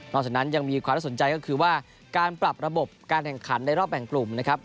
หลังจากนั้นยังมีความน่าสนใจก็คือว่าการปรับระบบการแข่งขันในรอบแบ่งกลุ่มนะครับ